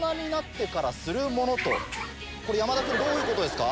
これ山田君どういうことですか？